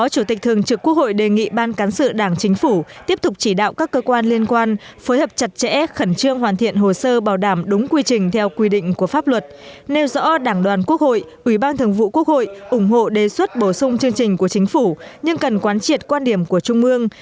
chúng tôi sẽ khẩn trương hoàn thiện hồ sơ bảo đảm đúng quy trình theo quy định của pháp luật nêu rõ đảng đoàn quốc hội ủy ban thường vụ quốc hội ủng hộ đề xuất bổ sung chương trình của chính phủ nhưng cần quán triệt quan điểm của trung mương